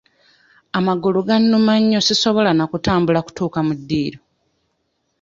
Amagulu gannuma nnyo sisobola na kutambula kutuuka mu ddiiro.